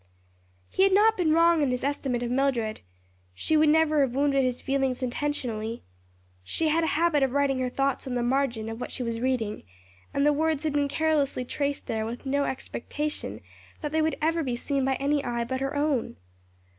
He had not been wrong in his estimate of Mildred. She would never have wounded his feelings intentionally. She had a habit of writing her thoughts on the margin of what she was reading, and the words had been carelessly traced there with no expectation that they would ever be seen by any eye but her own.